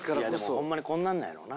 ホンマにこんなんなんやろな。